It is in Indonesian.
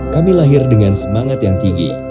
kami lahir dengan semangat yang tinggi